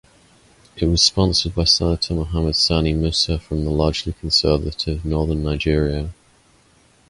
It was sponsored by Senator Mohammed Sani Musa from the largely conservative northern Nigeria.